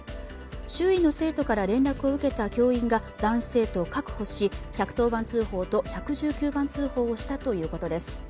周囲の生徒から連絡を受けた教員が男子生徒を確保し、１１０番通報と１１９番通報をしたということです。